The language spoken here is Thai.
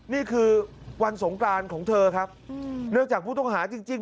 นี่คือวันสงกรานของเธอครับเนื่องจากผู้ต้องหาจริง